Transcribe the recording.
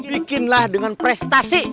bikinlah dengan prestasi